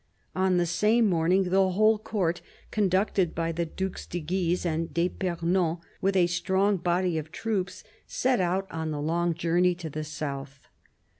On that same morning the whole Court, conducted by the Dues de Guise and d'^lpernon with a strong body of troops, set out on the long journey to the south.